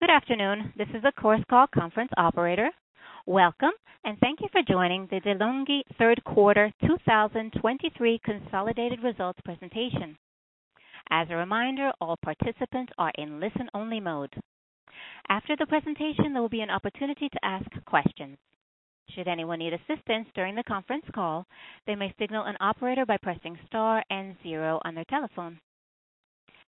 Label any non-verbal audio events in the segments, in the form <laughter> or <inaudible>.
Good afternoon, this is the Chorus Call conference operator. Welcome, and thank you for joining the De'Longhi Third Quarter 2023 Consolidated Results Presentation. As a reminder, all participants are in listen-only mode. After the presentation, there will be an opportunity to ask questions. Should anyone need assistance during the conference call, they may signal an operator by pressing star and zero on their telephone.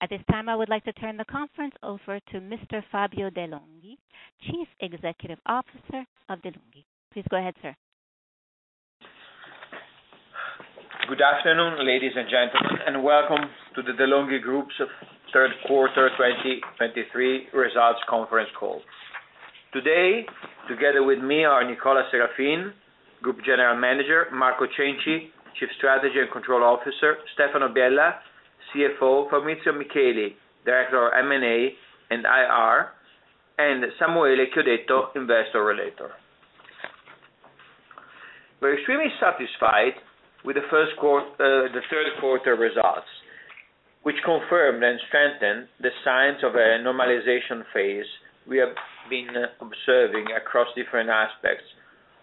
At this time, I would like to turn the conference over to Mr. Fabio De'Longhi, Chief Executive Officer of De'Longhi. Please go ahead, sir. Good afternoon, ladies and gentlemen, and welcome to the De'Longhi Group's third quarter 2023 results conference call. Today, together with me are Nicola Serafin, Group General Manager, Marco Cenci, Chief Strategy and Control Officer, Stefano Biella, CFO, Fabrizio Micheli, Director of M&A and IR, and Samuele Chiodetto, Investor Relations. We're extremely satisfied with the third quarter results, which confirmed and strengthened the signs of a normalization phase we have been observing across different aspects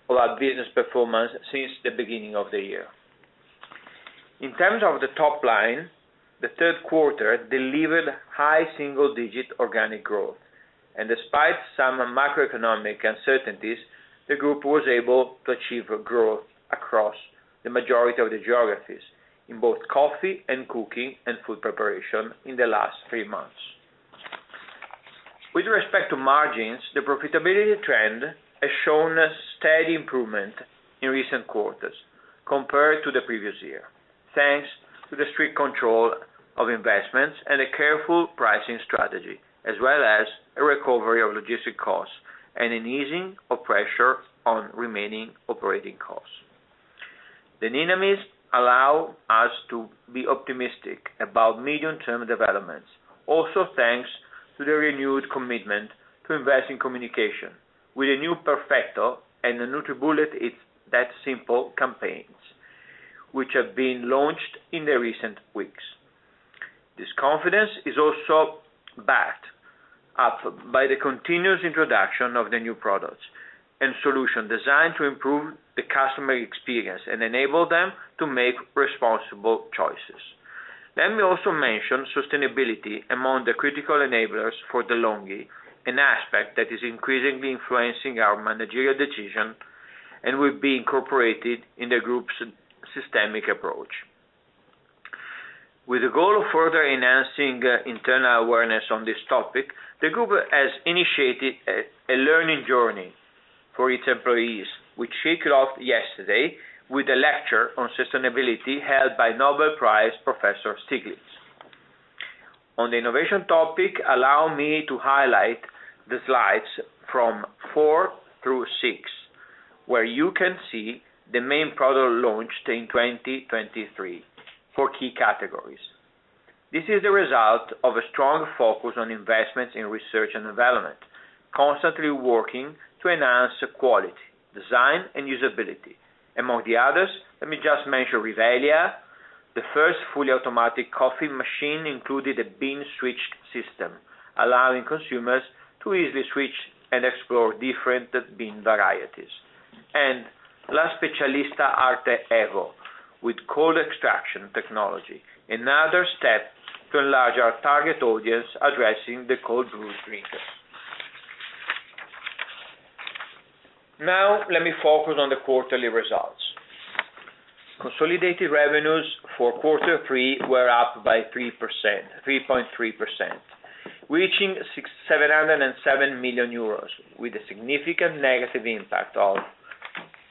of our business performance since the beginning of the year. In terms of the top line, the third quarter delivered high single-digit organic growth, and despite some macroeconomic uncertainties, the group was able to achieve growth across the majority of the geographies in both coffee and cooking and food preparation in the last three months. With respect to margins, the profitability trend has shown a steady improvement in recent quarters compared to the previous year, thanks to the strict control of investments and a careful pricing strategy, as well as a recovery of logistics costs and an easing of pressure on remaining operating costs. The enablers allow us to be optimistic about medium-term developments, also thanks to the renewed commitment to invest in communication with a new Perfetto and the NutriBullet, it's that simple campaigns, which have been launched in the recent weeks. This confidence is also backed up by the continuous introduction of the new products and solutions designed to improve the customer experience and enable them to make responsible choices. Let me also mention sustainability among the critical enablers for De'Longhi, an aspect that is increasingly influencing our managerial decisions and will be incorporated in the group's systemic approach. With the goal of further enhancing internal awareness on this topic, the group has initiated a learning journey for its employees, which kicked off yesterday with a lecture on sustainability held by Nobel Prize Professor Stiglitz. On the innovation topic, allow me to highlight the slides from 4 through 6, where you can see the main product launched in 2023 for key categories. This is the result of a strong focus on investments in research and development, constantly working to enhance the quality, design, and usability. Among the others, let me just mention Rivelia, the first fully automatic coffee machine included a Bean Switch System, allowing consumers to easily switch and explore different bean varieties. And La Specialista Arte Evo, with Cold Extraction Technology, another step to enlarge our target audience addressing the cold brew drinkers. Now, let me focus on the quarterly results. Consolidated revenues for quarter three were up by 3%, 3.3%, reaching 607 million euros, with a significant negative impact of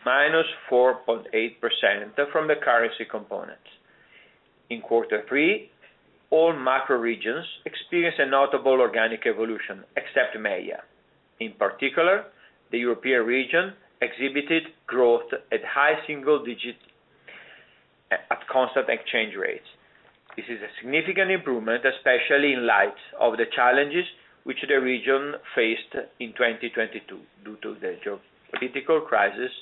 -4.8% from the currency components. In quarter three, all macro regions experienced a notable organic evolution, except MEA. In particular, the European region exhibited growth at high single digits at constant exchange rates. This is a significant improvement, especially in light of the challenges which the region faced in 2022 due to the geopolitical crisis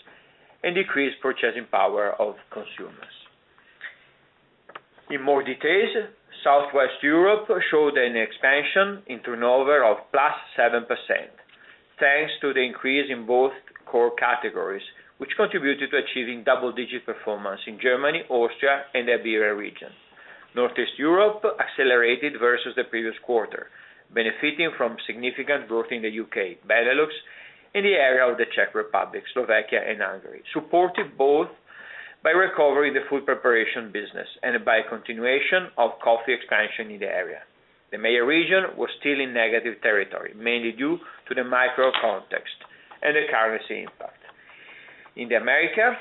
and decreased purchasing power of consumers. In more details, Southwest Europe showed an expansion in turnover of +7%, thanks to the increase in both core categories, which contributed to achieving double-digit performance in Germany, Austria, and the Iberia region. Northeast Europe accelerated versus the previous quarter, benefiting from significant growth in the UK, Benelux, in the area of the Czech Republic, Slovakia and Hungary, supported both by recovering the food preparation business and by continuation of coffee expansion in the area. The MEA region was still in negative territory, mainly due to the macro context and the currency impact. In the Americas,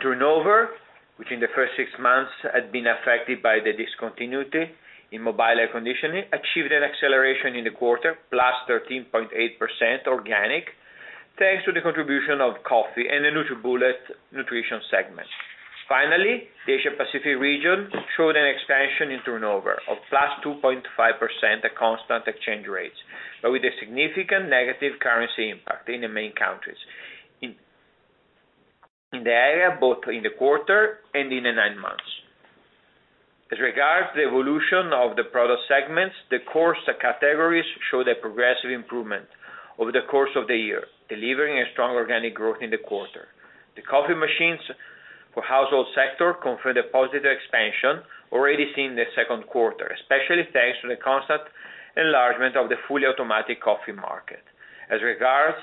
turnover, which in the first six months had been affected by the discontinuity in mobile air conditioning, achieved an acceleration in the quarter, +13.8% organic, thanks to the contribution of coffee and the NutriBullet nutrition segment. Finally, the Asia Pacific region showed an expansion in turnover of +2.5% at constant exchange rates, but with a significant negative currency impact in the main countries in the area, both in the quarter and in the nine months. As regards the evolution of the product segments, the core categories showed a progressive improvement over the course of the year, delivering a strong organic growth in the quarter. The coffee machines for household sector confirmed a positive expansion already seen in the second quarter, especially thanks to the constant enlargement of the fully automatic coffee market. As regards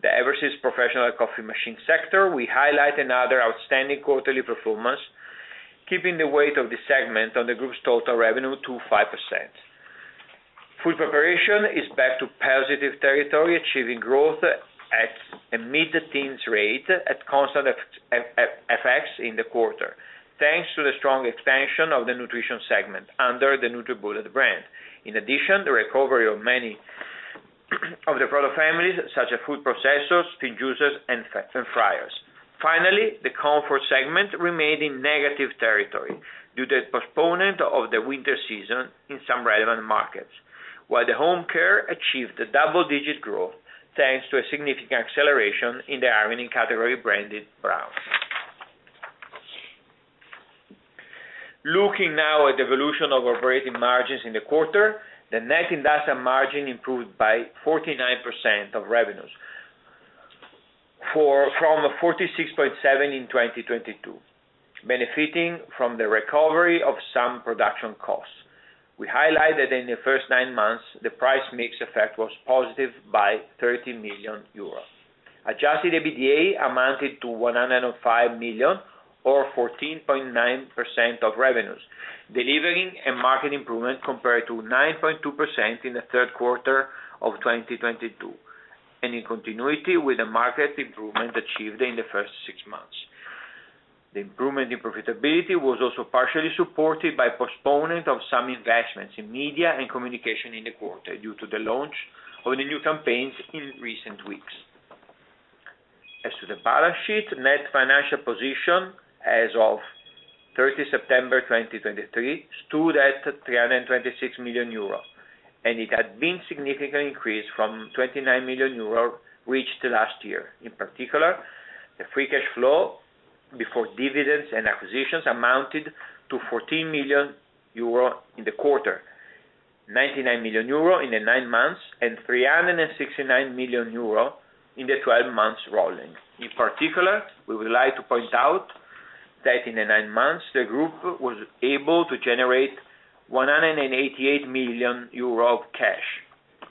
the Eversys professional coffee machine sector, we highlight another outstanding quarterly performance, keeping the weight of the segment on the group's total revenue to 5%. Food preparation is back to positive territory, achieving growth at a mid-teens rate at constant FX in the quarter, thanks to the strong expansion of the nutrition segment under the NutriBullet brand. In addition, the recovery of many of the product families, such as food processors, spin juicers, and air fryers. Finally, the comfort segment remained in negative territory due to postponement of the winter season in some relevant markets, while the home care achieved a double-digit growth, thanks to a significant acceleration in the ironing category branded Braun. Looking now at the evolution of operating margins in the quarter, the net industrial margin improved by 49% of revenues from 46.7% in 2022, benefiting from the recovery of some production costs. We highlighted in the first nine months, the price mix effect was positive by 30 million euros. Adjusted EBITDA amounted to 105 million or 14.9% of revenues, delivering a market improvement compared to 9.2% in the third quarter of 2022, and in continuity with the market improvement achieved in the first six months. The improvement in profitability was also partially supported by postponement of some investments in media and communication in the quarter, due to the launch of the new campaigns in recent weeks. As to the balance sheet, net financial position as of September 30, 2023, stood at 326 million euros, and it had been significantly increased from 29 million euros, reached last year. In particular, the free cash flow before dividends and acquisitions amounted to 14 million euro in the quarter, 99 million euro in the nine months, and 369 million euro in the twelve months rolling. In particular, we would like to point out that in the nine months, the group was able to generate 188 million euro of cash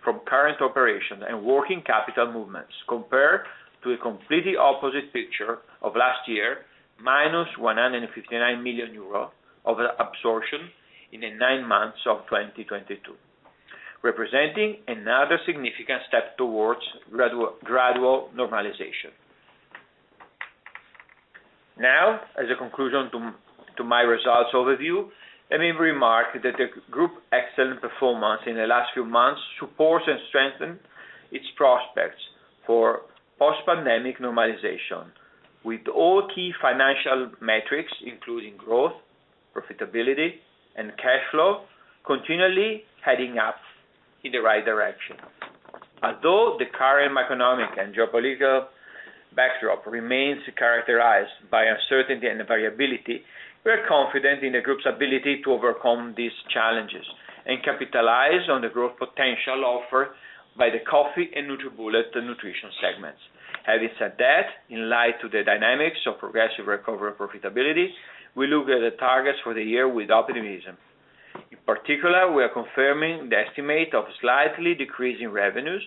from current operation and working capital movements, compared to a completely opposite picture of last year, minus 159 million euro of absorption in the nine months of 2022, representing another significant step towards gradual normalization. Now, as a conclusion to my results overview, let me remark that the group's excellent performance in the last few months supports and strengthens its prospects for post-pandemic normalization, with all key financial metrics, including growth, profitability, and cash flow, continually heading up in the right direction. Although the current economic and geopolitical backdrop remains characterized by uncertainty and variability, we are confident in the group's ability to overcome these challenges and capitalize on the growth potential offered by the coffee and NutriBullet nutrition segments. Having said that, in light of the dynamics of progressive recovery and profitability, we look at the targets for the year with optimism. In particular, we are confirming the estimate of slightly decreasing revenues.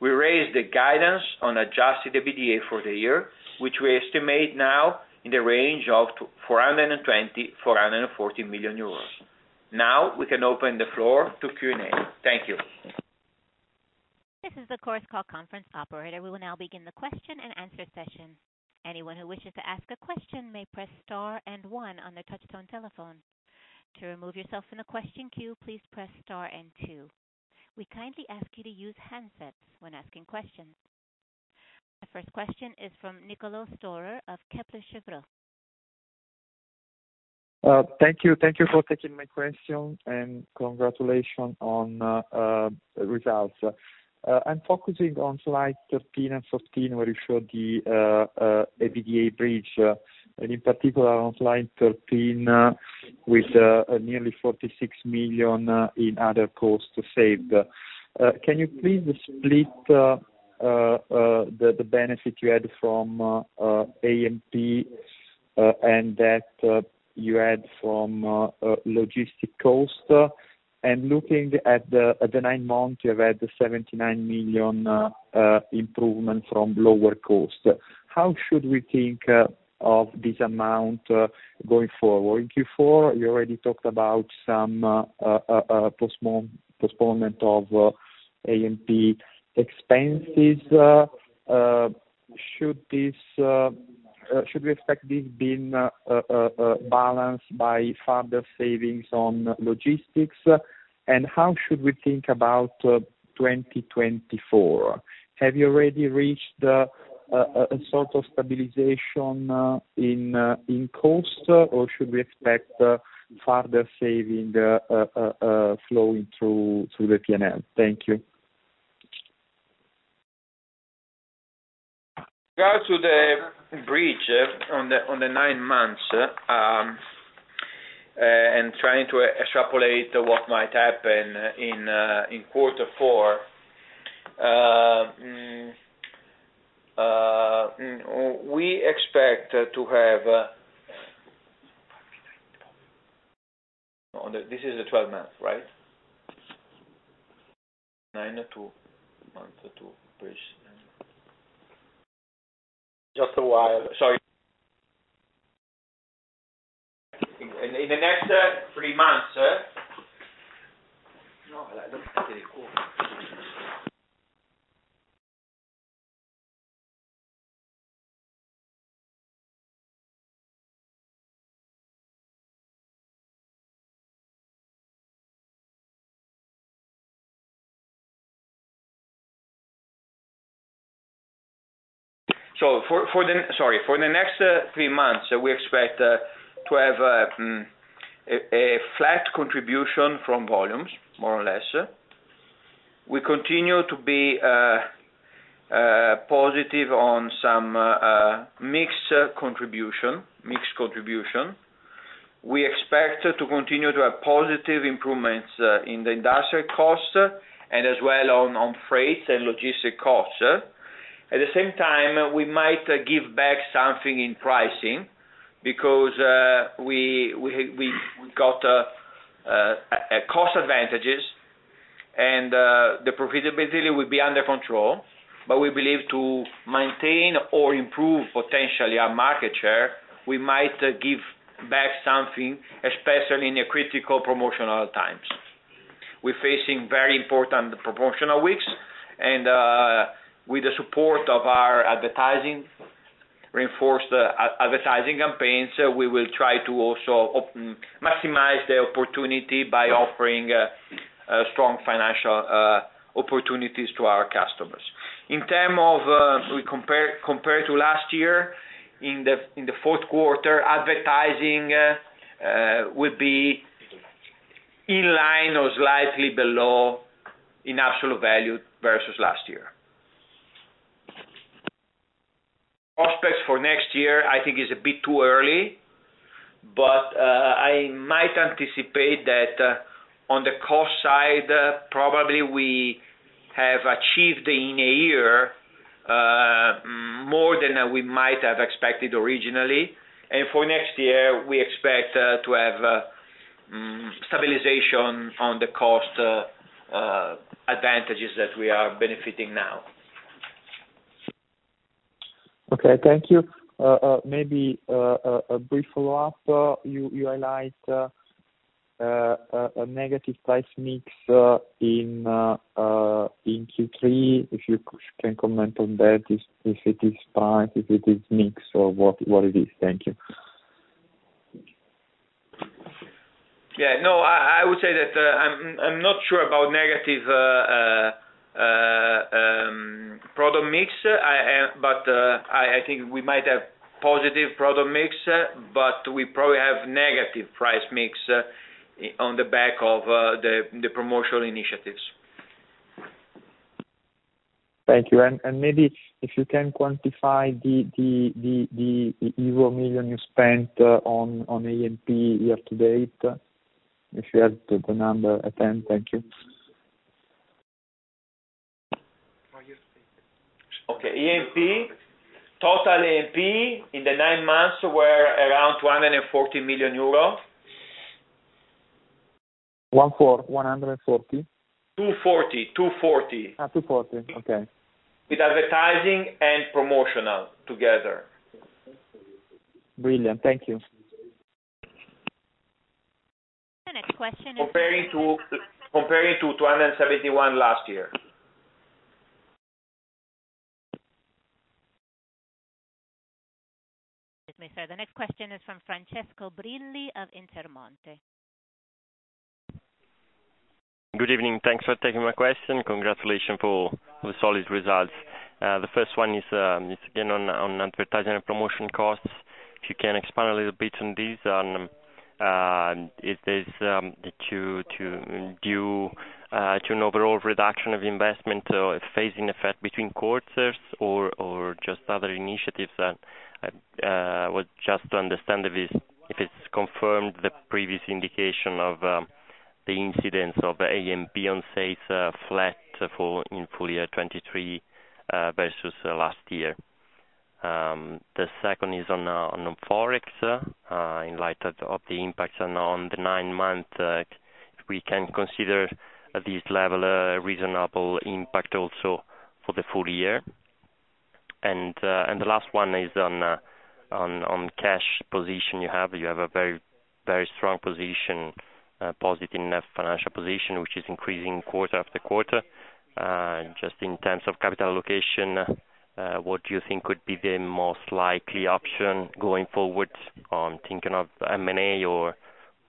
We raised the guidance on Adjusted EBITDA for the year, which we estimate now in the range of 340 million-440 million euros. Now, we can open the floor to Q&A. Thank you. This is the Chorus Call conference operator. We will now begin the question and answer session. Anyone who wishes to ask a question may press star and one on their touchtone telephone. To remove yourself from the question queue, please press star and two. We kindly ask you to use handsets when asking questions. The first question is from Niccolò Storer of Kepler Cheuvreux. Thank you. Thank you for taking my question, and congratulations on results. I'm focusing on slides 13 and 14, where you show the EBITDA bridge, and in particular, on slide 13, with nearly 46 million in other costs to save. Can you please split the benefit you had from A&P, and that you had from logistic cost? And looking at the nine months, you have had 79 million improvement from lower cost. How should we think of this amount going forward? In Q4, you already talked about some postponement of A&P expenses. Should we expect this being balanced by further savings on logistics? How should we think about 2024? Have you already reached a sort of stabilization in cost, or should we expect further saving flowing through the PNL? Thank you. Go to the bridge on the nine months and trying to extrapolate what might happen in quarter four. We expect to have on the—this is the 12-month, right? Nine-month to bridge. In the next three months- <audio distortion> Sorry, for the next three months, we expect to have a flat contribution from volumes, more or less. We continue to be positive on some mix contribution, mix contribution. We expect to continue to have positive improvements in the industrial costs, and as well on freight and logistics costs. At the same time, we might give back something in pricing because we got a cost advantages, and the profitability will be under control, but we believe to maintain or improve potentially our market share, we might give back something, especially in the critical promotional times. We're facing very important promotional weeks, and with the support of our advertising, reinforce the advertising campaigns, we will try to also maximize the opportunity by offering a strong financial opportunities to our customers. In terms of, we compared to last year, in the fourth quarter, advertising will be in line or slightly below in absolute value versus last year. Prospects for next year, I think is a bit too early, but I might anticipate that on the cost side, probably we have achieved in a year more than we might have expected originally. For next year, we expect to have stabilization on the cost advantages that we are benefiting now. Okay, thank you. Maybe a brief follow-up. You highlight a negative price mix in Q3, if you can comment on that, if it is price, if it is mix, or what it is? Thank you. Yeah. No, I would say that, I'm not sure about negative product mix. But, I think we might have positive product mix, but we probably have negative price mix, on the back of, the promotional initiatives. Thank you. And maybe if you can quantify the euro million you spent on A&P year to date, if you have the number at hand. Thank you. Okay. A&P, total A&P in the nine months were around 140 million euro. 14, 140? 240 million, 240 million. Ah, 240 million. Okay. With advertising and promotional together. Brilliant. Thank you. The next question is- Comparing to 271 million last year. The next question is from Francesco Brilli of Intermonte. Good evening. Thanks for taking my question. Congratulations for the solid results. The first one is again on advertising and promotion costs. If you can expand a little bit on this, on if it's due to an overall reduction of investment, phasing effect between quarters or just other initiatives that just to understand if it's confirmed the previous indication of the incidence of A&P on, say, it's flat for the full year 2023 versus last year. The second is on Forex, in light of the impacts on the 9-month, we can consider this level reasonable impact also for the full year. And the last one is on cash position you have. You have a very, very strong position, positive net financial position, which is increasing quarter after quarter. Just in terms of capital allocation, what do you think could be the most likely option going forward? I'm thinking of M&A or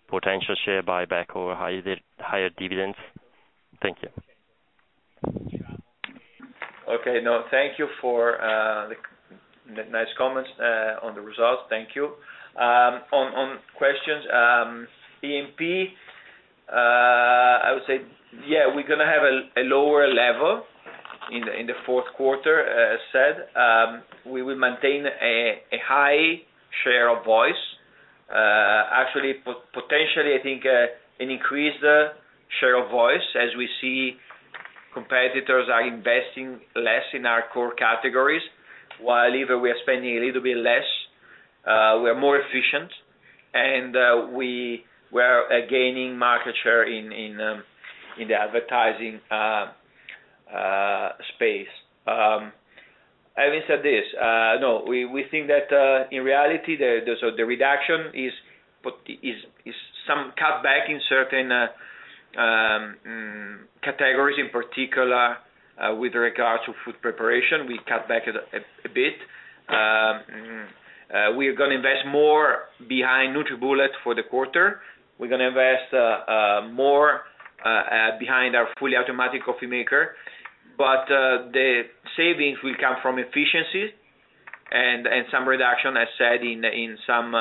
potential share buyback or higher, higher dividends. Thank you. Okay, now, thank you for the nice comments on the results. Thank you. On questions, A&P. I would say, yeah, we're gonna have a lower level in the fourth quarter, as said. We will maintain a high share of voice. Actually, potentially, I think an increased share of voice as we see competitors are investing less in our core categories, while even we are spending a little bit less, we're more efficient, and we were gaining market share in the advertising space. Having said this, no, we think that in reality, so the reduction is what is some cutback in certain categories, in particular, with regards to food preparation, we cut back a bit. We are gonna invest more behind NutriBullet for the quarter. We're gonna invest more behind our fully automatic coffee maker, but the savings will come from efficiencies and some reduction, as said, in some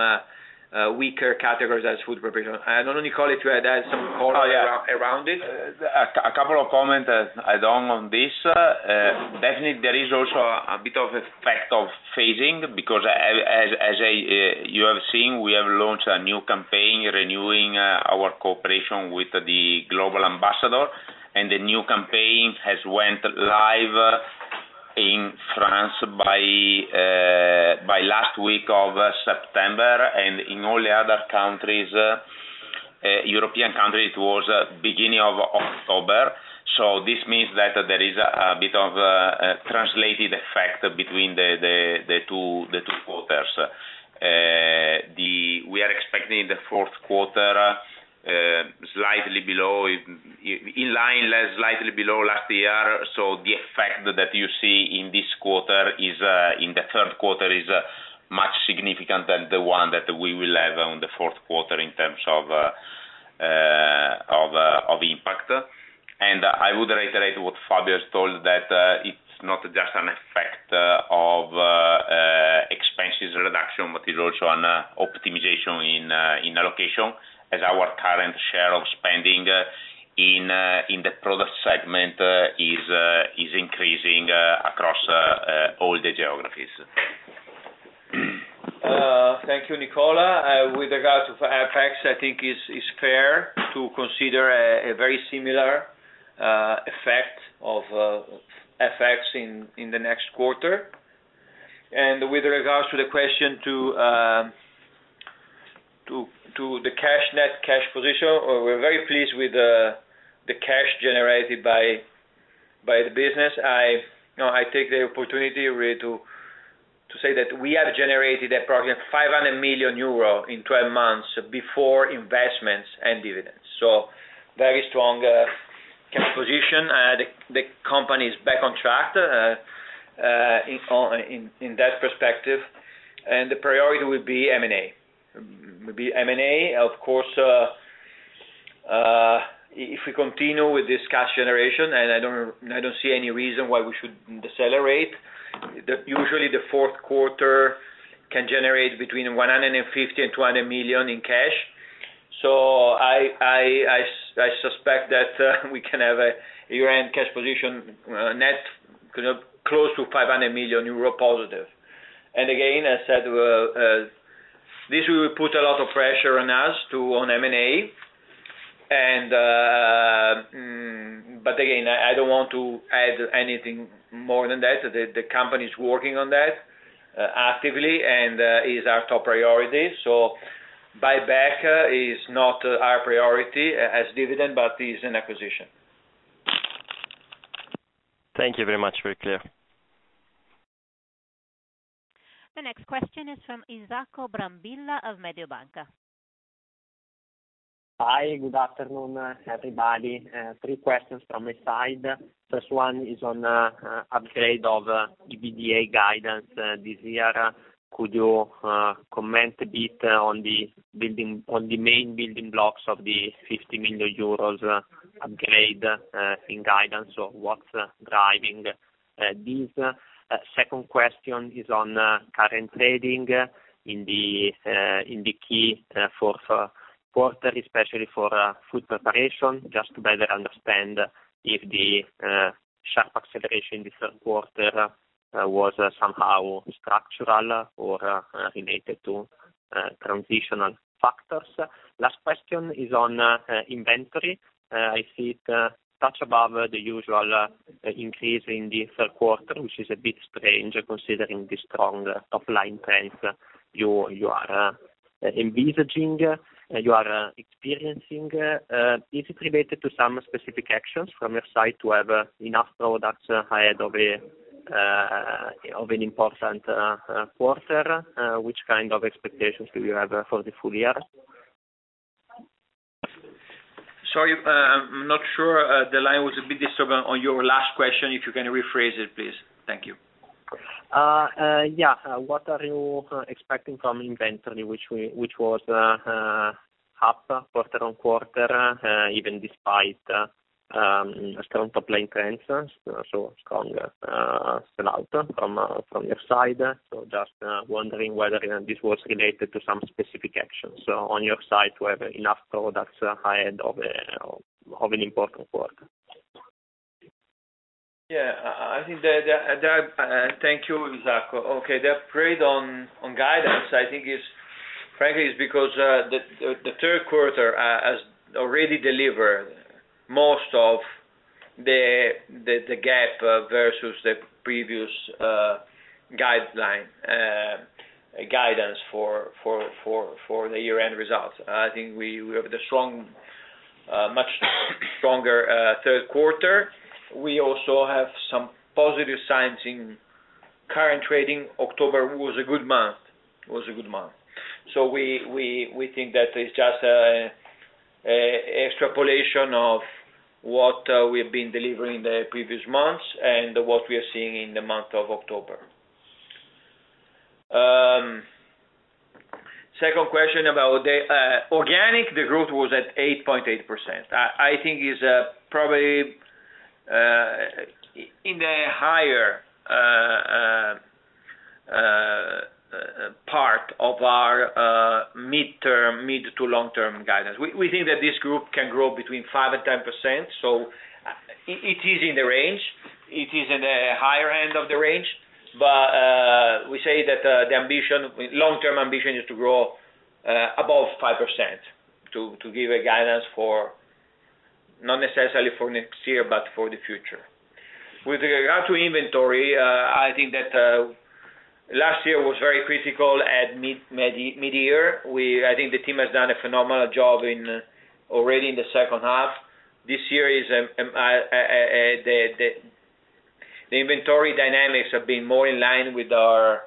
weaker categories as food preparation. I don't know, Nicola, if you want to add some color around it? Oh, yeah. A couple of comments along on this. Definitely, there is also a bit of effect of phasing because as you have seen, we have launched a new campaign renewing our cooperation with the global ambassador, and the new campaign has went live in France by last week of September, and in all the other countries, European countries, it was beginning of October. So this means that there is a bit of a translated effect between the two quarters. We are expecting in the fourth quarter slightly below, in line, slightly below last year. So the effect that you see in this quarter is in the third quarter much significant than the one that we will have on the fourth quarter in terms of impact. And I would reiterate what Fabio has told that it's not just an effect of expenses reduction, but it's also on optimization in allocation, as our current share of spending in the product segment is increasing across all the geographies. Thank you, Nicola. With regards to FX, I think it's fair to consider a very similar effect of FX in the next quarter. And with regards to the question to the cash, net cash position, we're very pleased with the cash generated by the business. You know, I take the opportunity really to say that we have generated approximately 500 million euro in 12 months before investments and dividends. So very strong cash position. The company is back on track in that perspective, and the priority will be M&A. Will be M&A. Of course, if we continue with this cash generation, and I don't see any reason why we should decelerate, usually the fourth quarter can generate between 150 million and 200 million in cash. So I suspect that we can have a year-end cash position, net close to 500 million euro positive. And again, I said, this will put a lot of pressure on us to, on M&A. And but again, I don't want to add anything more than that. The company is working on that actively, and is our top priority. So buyback is not our priority as dividend, but is an acquisition. Thank you very much. Very clear. The next question is from Isacco Brambilla of Mediobanca. Hi, good afternoon, everybody. Three questions from my side. First one is on upgrade of the EBITDA guidance this year. Could you comment a bit on the building, on the main building blocks of the 50 million euros upgrade in guidance of what's driving this? Second question is on current trading in the key fourth quarter, especially for food preparation, just to better understand if the sharp acceleration in the third quarter was somehow structural or related to transitional factors. Last question is on inventory. I see it touch above the usual increase in the third quarter, which is a bit strange, considering the strong offline trends you are experiencing. Is it related to some specific actions from your side to have enough products ahead of an important quarter? Which kind of expectations do you have for the full year? Sorry, I'm not sure, the line was a bit disturbed on your last question, if you can rephrase it, please. Thank you. Yeah. What are you expecting from inventory, which was half quarter-on-quarter, even despite a strong top-line trends, so strong, sell out from, from your side. So just, wondering whether this was related to some specific actions. So on your side, whether enough products are high-end of, of an important work? Yeah, I think that. Thank you, Isacco. Okay, the upgrade on guidance, I think, is frankly because the third quarter has already delivered most of the gap versus the previous guidance for the year-end results. I think we have the strong much stronger third quarter. We also have some positive signs in current trading. October was a good month, was a good month. So we think that it's just a extrapolation of what we've been delivering in the previous months and what we are seeing in the month of October. Second question about the organic growth was at 8.8%. I think is probably in a higher part of our mid-term, mid to long-term guidance. We think that this group can grow between 5% and 10%, so it is in the range. It is in a higher end of the range, but we say that the ambition, long-term ambition is to grow above 5%, to give a guidance for not necessarily for next year, but for the future. With regard to inventory, I think that last year was very critical at mid-year. I think the team has done a phenomenal job already in the second half. This year the inventory dynamics have been more in line with our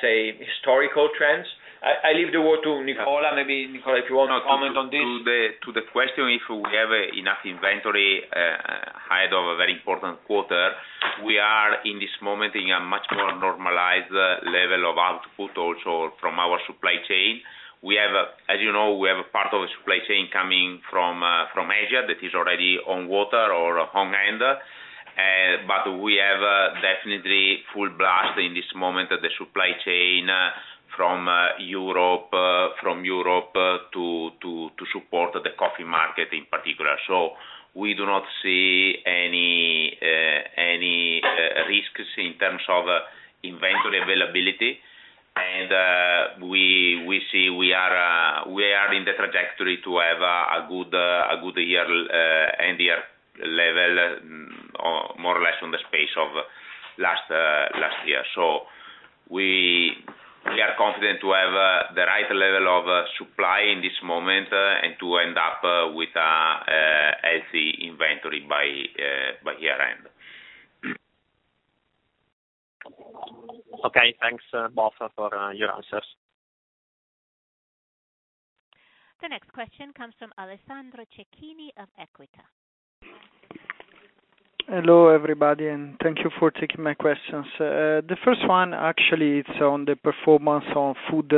say historical trends. I leave the word to Nicola. Maybe Nicola, if you want to comment on this. To the question, if we have enough inventory ahead of a very important quarter, we are in this moment in a much more normalized level of output, also from our supply chain. As you know, we have a part of a supply chain coming from Asia that is already on water or on hand. But we have definitely full blast in this moment at the supply chain from Europe to support the coffee market in particular. So we do not see any risks in terms of inventory availability. And we see we are in the trajectory to have a good year-end level, more or less on the space of last year. So we are confident to have the right level of supply in this moment, and to end up with as the inventory by year-end. Okay, thanks, both for your answers. The next question comes from Alessandro Cecchini of Equita. Hello, everybody, and thank you for taking my questions. The first one actually is on the performance on food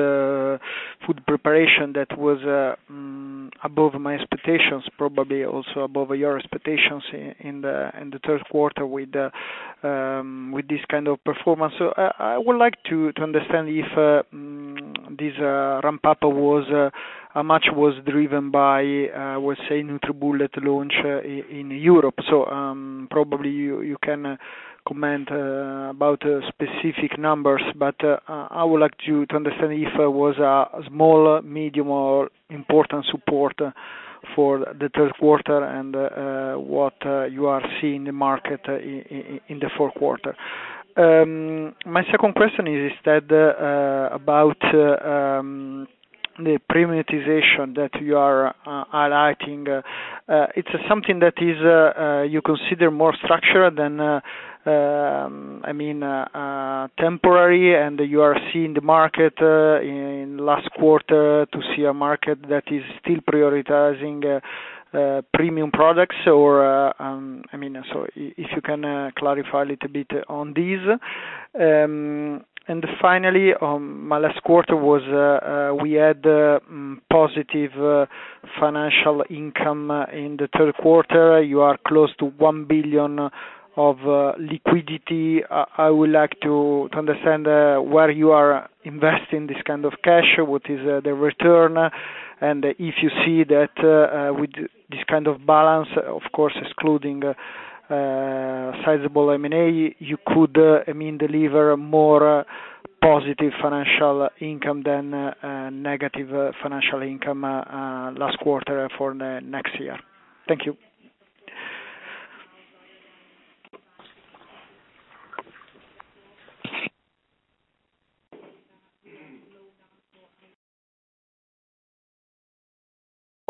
preparation that was above my expectations, probably also above your expectations in the third quarter with this kind of performance. So I would like to understand if this ramp up was how much was driven by the NutriBullet launch in Europe. So probably you can comment about specific numbers, but I would like to understand if it was a small, medium, or important support for the third quarter and what you are seeing in the market in the fourth quarter. My second question is that about the premiumization that you are highlighting. It's something that is, you consider more structured than, I mean, temporary, and you are seeing the market, in last quarter to see a market that is still prioritizing, premium products? Or, I mean, so if you can clarify a little bit on this. And finally, my last question was, we had, positive financial income in the third quarter. You are close to 1 billion of liquidity. I would like to understand, where you are investing this kind of cash, what is the return, and if you see that, with this kind of balance, of course, excluding, sizable M&A, you could, I mean, deliver more positive financial income than, negative financial income, last quarter for the next year. Thank you.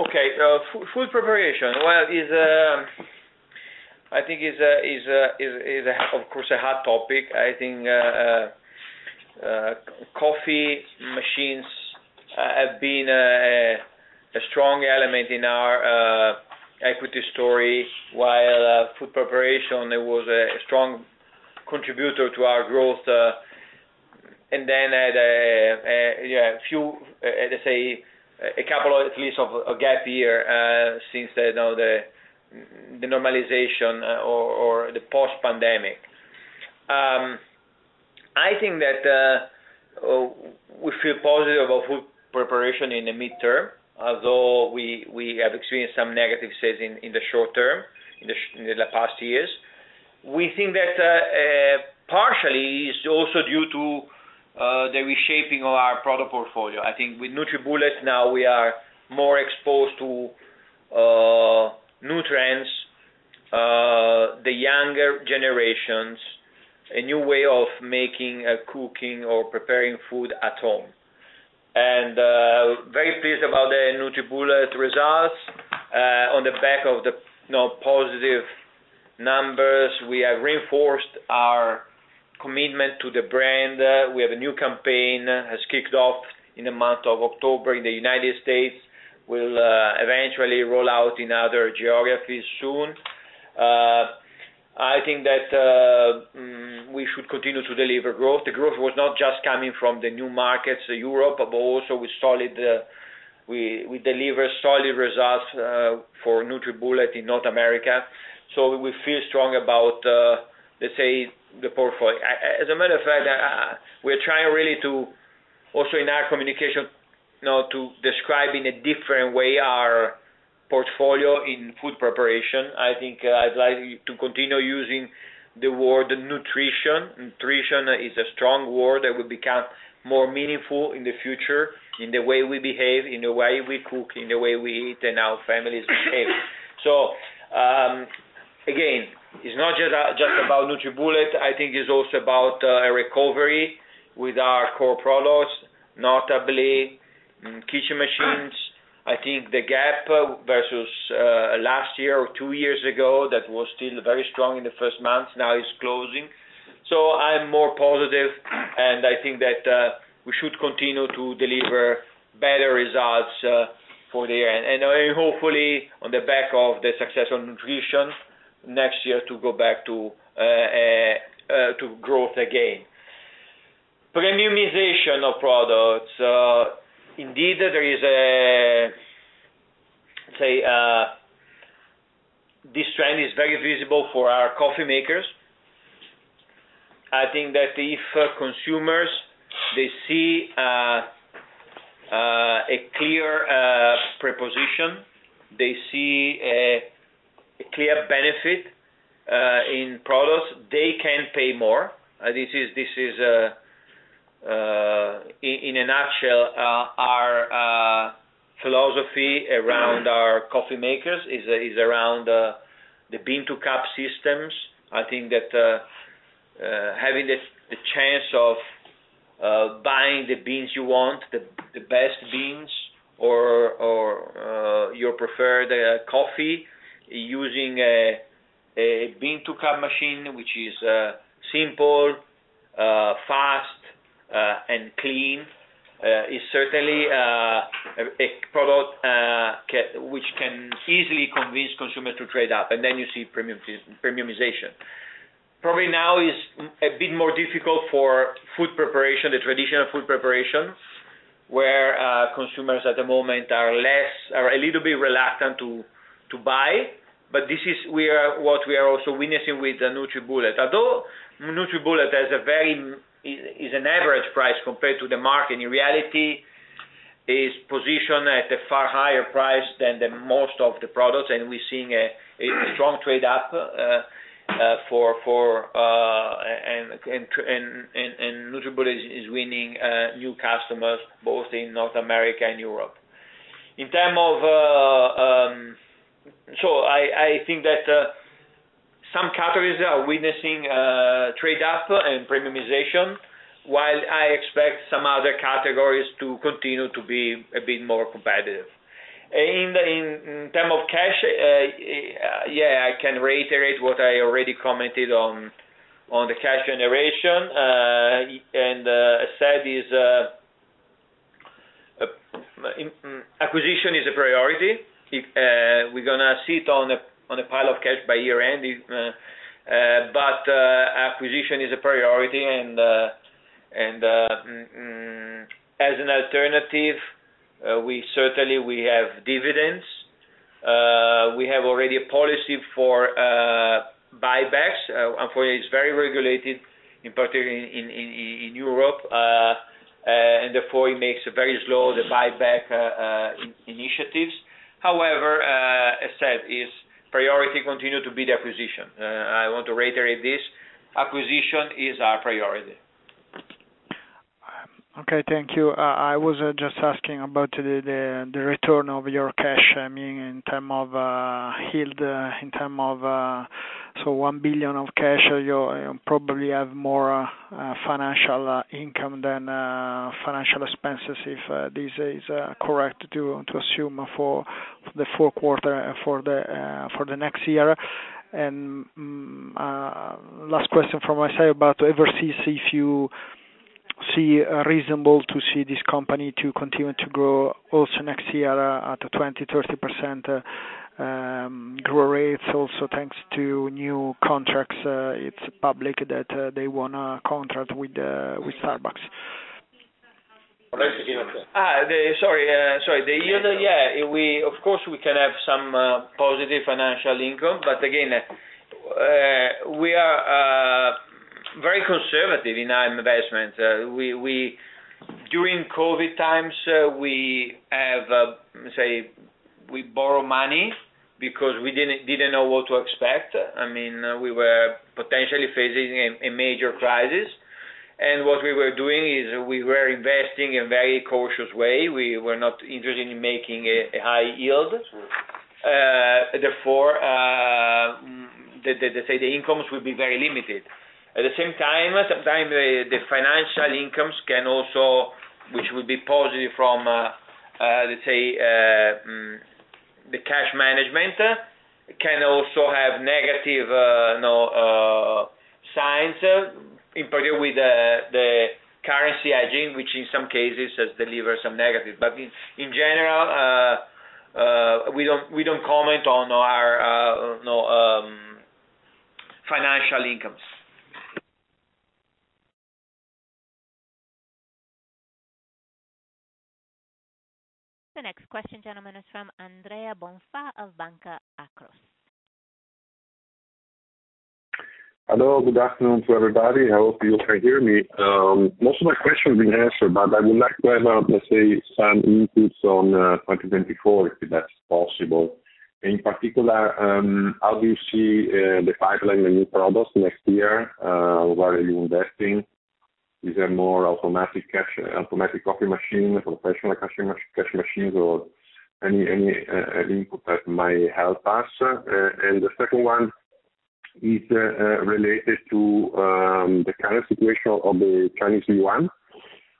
Okay. Food preparation, well, is, I think, of course, a hot topic. I think, coffee machines have been a strong element in our equity story, while food preparation, there was a strong contributor to our growth, and then let's say a couple of at least a gap year since the, you know, the normalization or the post-pandemic. I think that we feel positive about food preparation in the midterm, although we have experienced some negative sales in the short term, in the past years. We think that partially, it's also due to the reshaping of our product portfolio. I think with NutriBullet, now we are more exposed to new trends, the younger generations, a new way of making cooking or preparing food at home. And very pleased about the NutriBullet results on the back of the, you know, positive numbers. We have reinforced our commitment to the brand. We have a new campaign, has kicked off in the month of October in the United States, will eventually roll out in other geographies soon. I think that we should continue to deliver growth. The growth was not just coming from the new markets, Europe, but also we deliver solid results for NutriBullet in North America. So we feel strong about, let's say, the portfolio. As a matter of fact, we're trying really to also in our communication, you know, to describe in a different way our portfolio in food preparation. I think I'd like to continue using the word nutrition. Nutrition is a strong word that will become more meaningful in the future, in the way we behave, in the way we cook, in the way we eat, and our families behave. So, again, it's not just about NutriBullet, I think it's also about a recovery with our core products, notably, kitchen machines. I think the gap versus last year or two years ago, that was still very strong in the first month, now is closing. So I'm more positive, and I think that we should continue to deliver better results for the end. Hopefully, on the back of the success on nutrition, next year, to go back to growth again. Premiumization of products, indeed, there is a, say, this trend is very visible for our coffee makers. I think that if consumers, they see a clear proposition, they see a clear benefit in products, they can pay more. This is, this is in a nutshell our philosophy around our coffee makers is around the bean-to-cup systems. I think that having the chance of buying the beans you want, the best beans or your preferred coffee, using a bean-to-cup machine, which is simple, fast, and clean, is certainly a product which can easily convince consumers to trade up, and then you see premiumization. Probably now is a bit more difficult for food preparation, the traditional food preparation, where consumers at the moment are a little bit reluctant to buy. But this is what we are also witnessing with the NutriBullet. Although NutriBullet has a very average price compared to the market, in reality, is positioned at a far higher price than most of the products, and we're seeing a strong trade up, and NutriBullet is winning new customers, both in North America and Europe. In terms of. So I think that some categories are witnessing trade up and premiumization, while I expect some other categories to continue to be a bit more competitive. In terms of cash, yeah, I can reiterate what I already commented on the cash generation. And acquisition is a priority. If we're gonna sit on a pile of cash by year-end, but acquisition is a priority, and as an alternative, we certainly have dividends. We have already a policy for buybacks. Unfortunately, it's very regulated, in particular in Europe, and therefore it makes it very slow, the buyback initiatives. However, as said, is priority continue to be the acquisition. I want to reiterate this: acquisition is our priority. Okay, thank you. I was just asking about the return of your cash, I mean, in terms of yield, in terms of, so 1 billion of cash, you probably have more financial income than financial expenses, if this is correct to assume for the fourth quarter and for the next year. Last question from my side about Eversys, if you see reasonable to see this company to continue to grow also next year at a 20%-30% growth rates also thanks to new contracts, it's public that they won a contract with Starbucks. The yield, yeah, we of course, we can have some positive financial income, but again, we are very conservative in our investment. We during COVID times, we have say we borrow money because we didn't know what to expect. I mean, we were potentially facing a major crisis, and what we were doing is we were investing in a very cautious way. We were not interested in making a high yield. Therefore, the say the incomes will be very limited. At the same time, sometimes the financial incomes can also, which will be positive from, let's say, the cash management, can also have negative signs, in particular with the currency hedging, which in some cases has delivered some negatives. But in general, we don't comment on our financial incomes. The next question, gentlemen, is from Andrea Bonfà of Banca Akros. Hello, good afternoon to everybody. I hope you can hear me. Most of my questions have been answered, but I would like to have, let's say, some inputs on 2024, if that's possible. In particular, how do you see the pipeline, the new products next year? Where are you investing? Is there more automatic cash, automatic coffee machine, professional cash, cash machines, or any input that might help us? And the second one is related to the current situation of the Chinese yuan,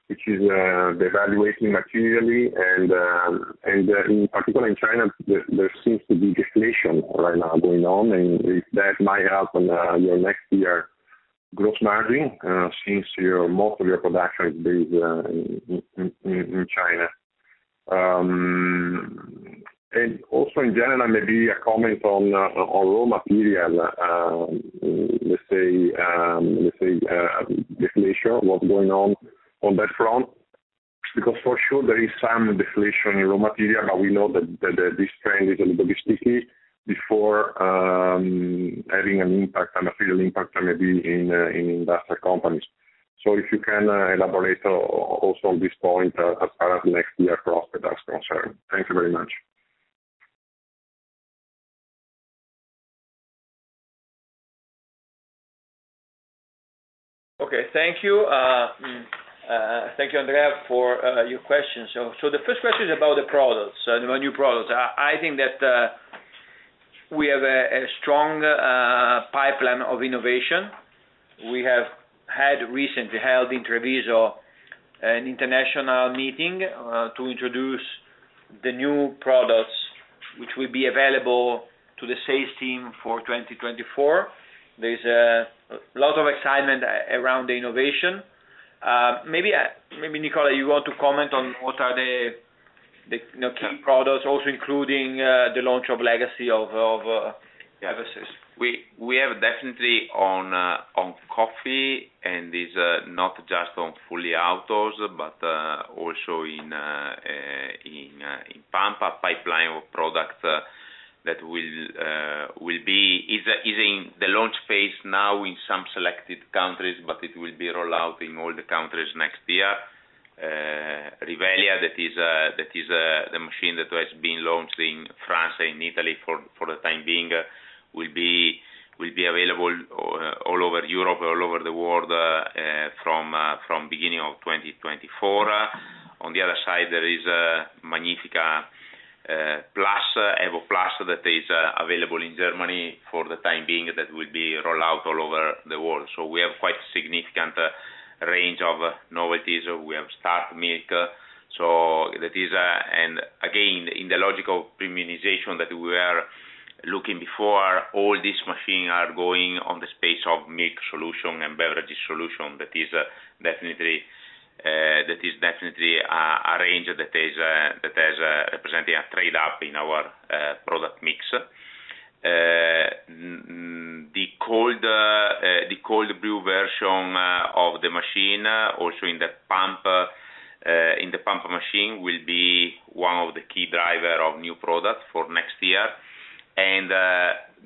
which is evaluating materially and, in particular in China, there seems to be deflation right now going on, and if that might help on your next year gross margin, since most of your production is based in China. And also in general, maybe a comment on raw material deflation, what's going on, on that front? Because for sure there is some deflation in raw material, but we know that this trend is a little bit sticky before having an impact, a material impact maybe in industrial companies. So if you can elaborate also on this point as part of next year progress concern. Thank you very much. Okay, thank you. Thank you, Andrea, for your questions. So, the first question is about the products, the new products. I think that we have a strong pipeline of innovation. We have recently held in Treviso an international meeting to introduce the new products, which will be available to the sales team for 2024. There's a lot of excitement around the innovation. Maybe Nicola, you want to comment on what are the, you know, key products, also including the launch of Legacy of devices. We have definitely on coffee, and it's not just on fully autos, but also in our pipeline of products that will be in the launch phase now in some selected countries, but it will be rolled out in all the countries next year. Rivelia, that is the machine that has been launched in France and Italy for the time being, will be available all over Europe, all over the world, from beginning of 2024. On the other side, there is Magnifica Evo Plus that is available in Germany for the time being, that will be rolled out all over the world. So we have quite significant range of novelties. We have Start Milk, so that is, and again, in the logical premiumization that we are looking before, all these machines are going on the space of milk solution and beverages solution. That is definitely, that is definitely a range that is, representing a trade-up in our product mix. The cold, the cold brew version of the machine, also in the pump, in the pump machine, will be one of the key driver of new products for next year. And,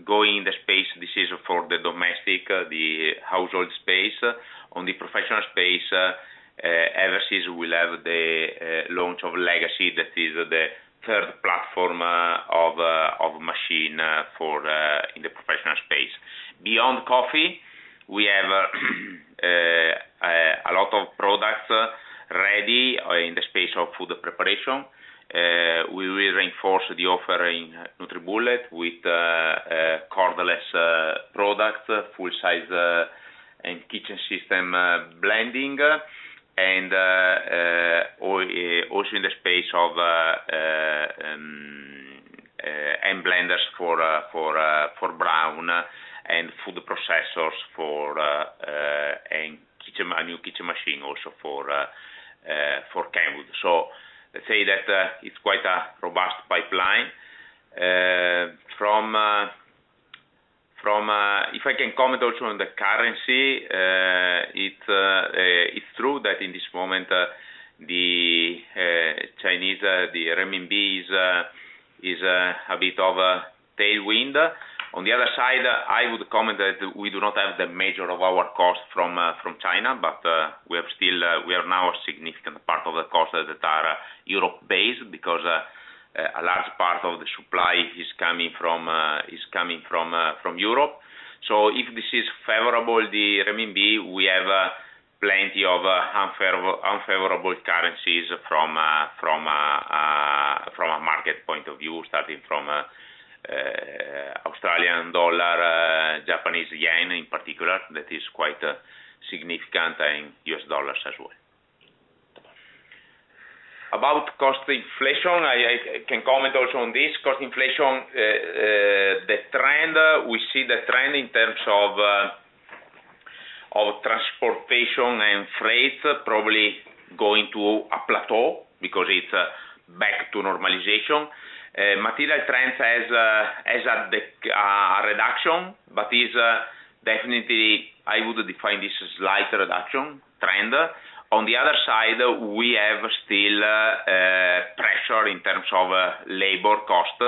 going in the space, this is for the domestic, the household space. On the professional space, Eversys will have the launch of Legacy, that is the third platform of a machine for in the professional space. Beyond coffee, we have a lot of products ready in the space of food preparation. We will reinforce the offering NutriBullet with cordless product, full size, and kitchen system blending and also in the space of and blenders for for and food processors for and kitchen, a new kitchen machine also for for Kenwood. So let's say that it's quite a robust pipeline. If I can comment also on the currency, it's true that in this moment the Chinese, the RMB is a bit of a tailwind. On the other side, I would comment that we do not have the major of our cost from China, but we have still we are now a significant part of the cost that are Europe-based, because a large part of the supply is coming from Europe. So if this is favorable, the RMB, we have plenty of unfavorable currencies from a market point of view, starting from Australian dollar, Japanese yen in particular. That is quite significant in U.S. dollars as well. About cost inflation, I can comment also on this. Cost inflation, the trend we see in terms of transportation and freight probably going to a plateau because it's back to normalization. Material trends has a reduction, but is definitely I would define this a slight reduction trend. On the other side, we have still pressure in terms of labor cost.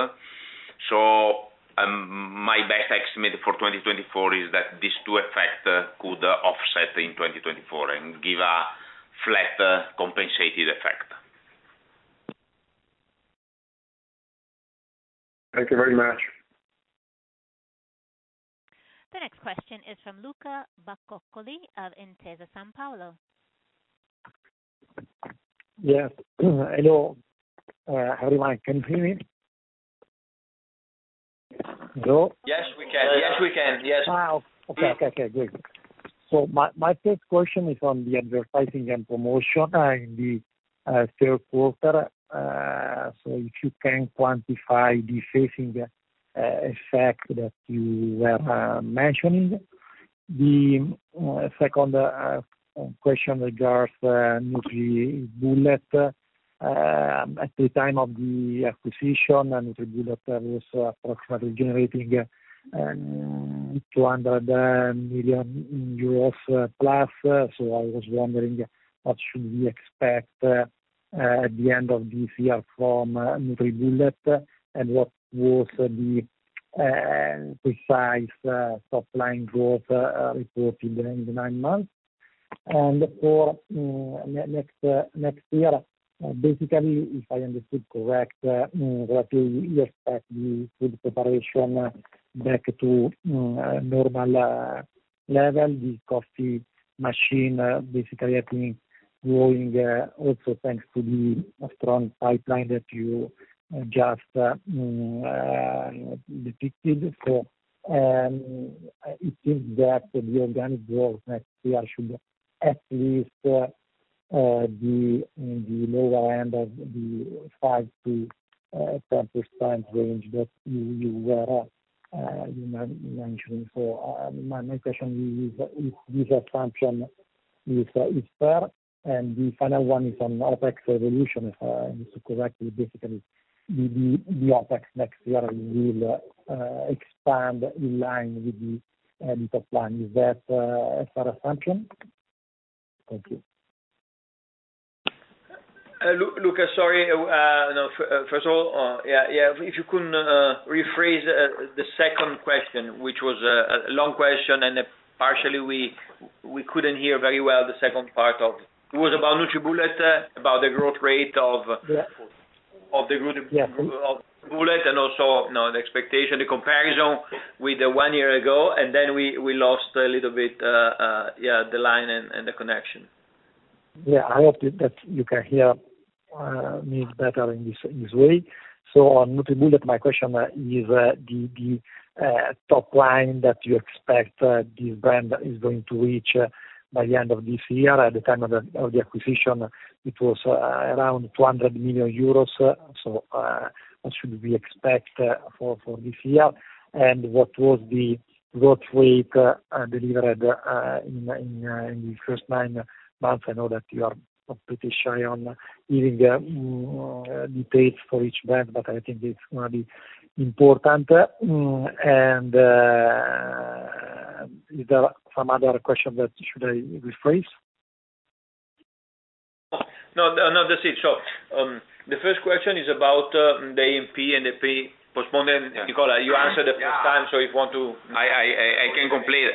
So, my best estimate for 2024 is that these two effect could offset in 2024 and give a flatter compensated effect. Thank you very much. The next question is from Luca Bacoccoli of Intesa Sanpaolo. Yes. Hello, everyone, can you hear me? Hello? Yes, we can. Yes, we can. Yes. Ah, okay. Okay, good. So my, my first question is on the advertising and promotion in the third quarter. So if you can quantify the phasing effect that you were mentioning? The second question regards NutriBullet. At the time of the acquisition, NutriBullet was approximately generating 200 million euros plus. So I was wondering, what should we expect at the end of this year from NutriBullet, and what was the precise top line growth reported in the nine months? And for next year, basically, if I understood correct, that you expect the food preparation back to normal level, the coffee machine basically, I think growing, also thanks to the strong pipeline that you just depicted. So, it seems that the organic growth next year should at least in the lower end of the 5%-10% range that you were mentioning. So, my main question is if this assumption is fair, and the final one is on OpEx evolution. If I understood correctly, basically, the OpEx next year will expand in line with the top line. Is that a fair assumption? Thank you. Luca, sorry, no, first of all, yeah, yeah, if you could rephrase the second question, which was a long question, and partially we couldn't hear very well the second part of... It was about NutriBullet, about the growth rate of- Yeah. Of the group- Yeah. NutriBullet and also, no, the expectation, the comparison with the one year ago, and then we lost a little bit, yeah, the line and the connection. Yeah, I hope that you can hear me better in this way. So on NutriBullet, my question is, the top line that you expect this brand is going to reach by the end of this year. At the time of the acquisition, it was around 200 million euros. So, what should we expect for this year? And what was the growth rate delivered in the first nine months? I know that you are pretty shy on giving details for each brand, but I think it's gonna be important. And, is there some other question that should I rephrase? No, no, that's it. So, the first question is about the A&P and the P postponed. Nic ola, you answered the first time, so if you want to— I can complete.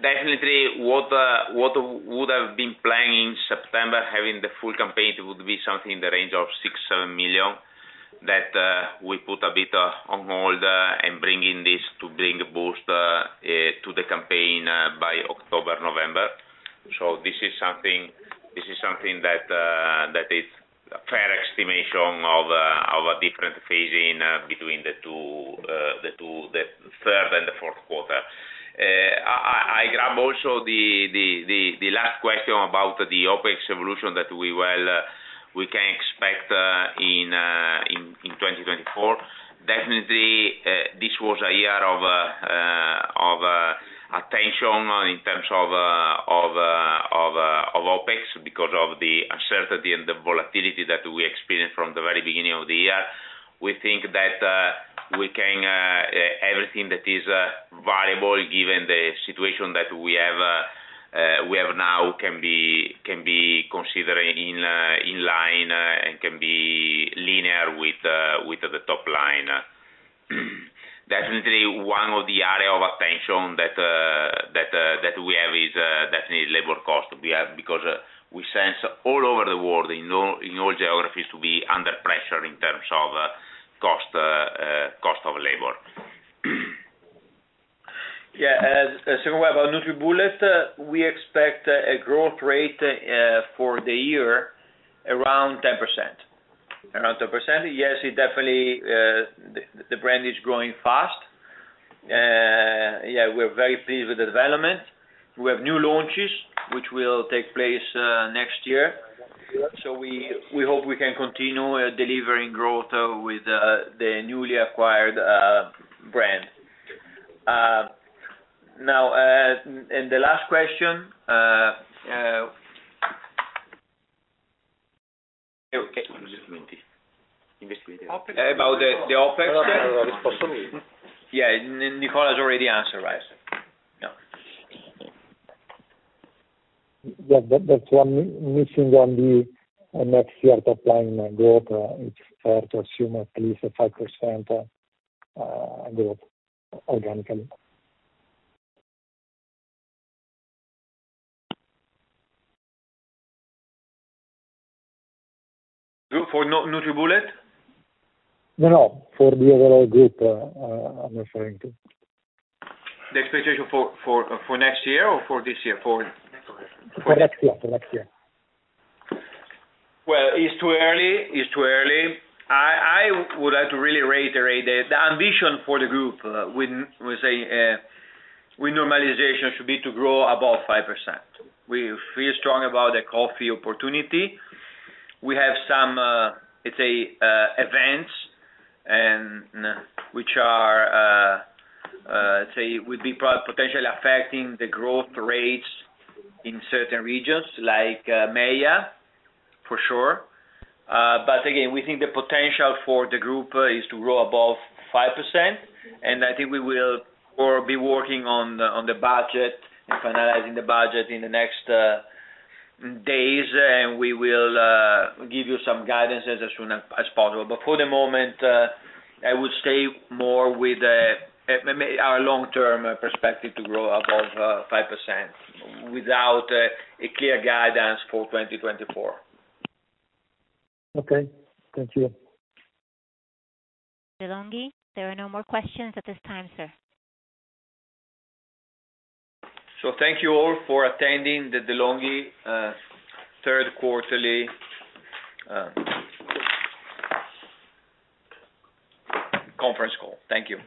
Definitely, what would have been planned in September, having the full campaign, it would be something in the range of 6-7 million, that we put a bit of on hold and bring in this to bring a boost to the campaign by October, November. So this is something that is a fair estimation of a different phasing between the two, the third and the fourth quarter. I grab also the last question about the OpEx evolution that we can expect in... 2024, definitely, this was a year of attention in terms of OpEx, because of the uncertainty and the volatility that we experienced from the very beginning of the year. We think that we can everything that is variable, given the situation that we have, we have now, can be considered in line and can be linear with the top line. Definitely, one of the area of attention that we have is definitely labor cost. We have because we sense all over the world, in all geographies, to be under pressure in terms of cost of labor. Yeah, as about NutriBullet, we expect a growth rate for the year around 10%. Around 10%. Yes, it definitely, the brand is growing fast. Yeah, we're very pleased with the development. We have new launches, which will take place next year. So we hope we can continue delivering growth with the newly acquired brand. Now, and the last question about the OpEx? Yeah, Nicola has already answered, right? Yeah. Yeah, but that's one missing on the next year top line growth. It's fair to assume at least a 5% growth organically. For NutriBullet? No, no, for the overall group, I'm referring to. The expectation for next year or for this year? For- For next year. For next year. Well, it's too early. It's too early. I would like to really reiterate that the ambition for the group, with normalization, should be to grow above 5%. We feel strong about the coffee opportunity. We have some, let's say, events and which are, say, would be potentially affecting the growth rates in certain regions, like, MEA, for sure. But again, we think the potential for the group is to grow above 5%, and I think we will be working on the budget and finalizing the budget in the next days. And we will give you some guidance as soon as possible. But for the moment, I would stay more with our long-term perspective to grow above 5% without a clear guidance for 2024. Okay, thank you. De'Longhi, there are no more questions at this time, sir. Thank you all for attending the De'Longhi third quarterly conference call. Thank you!